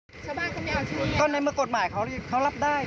ทำชาวบ้านเขาเดือดร้อน